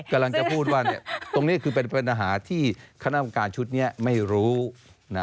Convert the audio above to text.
กำลังจะพูดว่าตรงนี้คือเป็นปัญหาที่คณะกรรมการชุดนี้ไม่รู้นะ